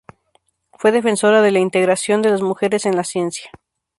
Fue defensora de la integración de las mujeres en la ciencia.